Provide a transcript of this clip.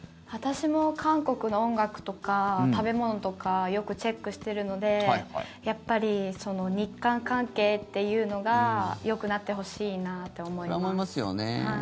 私も韓国の音楽とか食べ物とかよくチェックしているのでやっぱり日韓関係というのがよくなってほしいなって思います。